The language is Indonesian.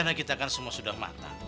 karena kita kan semua sudah matang